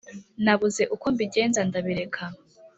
nabuze uko mbigenza ndabireka